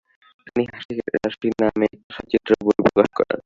তিনি হাসি রাশি নামে একটি সচিত্র বই প্রকাশ করেন।